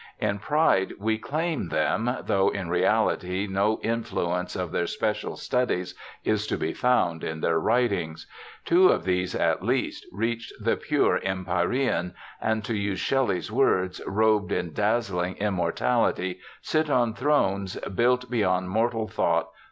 In pride we claim them, though in reality no influence of their special studies is to be found in their writings. Two of these, at least, reached the pure empyrean, and to use Shelley's words, robed in dazzling immortality, sit on thrones built beyond mortal thought.